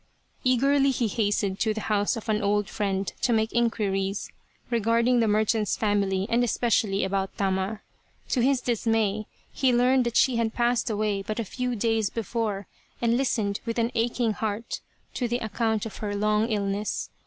Eagerly he hastened to the house of an old friend to make inquiries regarding the merchant's family and especially about Tama. To his dismay he learned that she had passed away but a few days before, and listened with an aching heart to the account of her long illness.